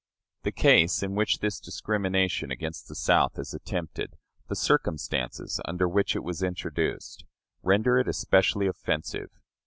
The case in which this discrimination against the South is attempted, the circumstances under which it was introduced, render it especially offensive.